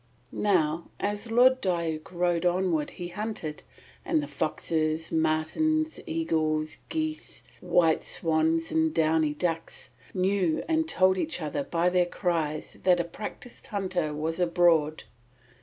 Now as Lord Diuk rode onward he hunted, and the foxes, martens, eagles, geese, white swans and downy ducks knew and told each other by their cries that a practised hunter was abroad.